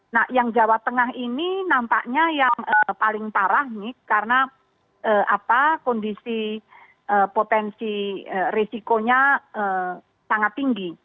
nah yang jawa tengah ini nampaknya yang paling parah nih karena kondisi potensi risikonya sangat tinggi